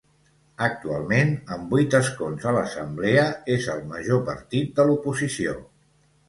Actualment, amb vuit escons a l'Assemblea és el major partit de l'oposició.